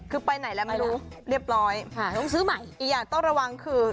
คือไปไหนแล้วไม่รู้เรียบร้อยค่ะต้องซื้อใหม่อีกอย่างต้องระวังคือ